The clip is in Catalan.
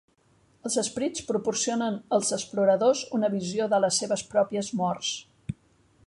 Els esperits proporcionen als exploradors una visió de les seves pròpies morts.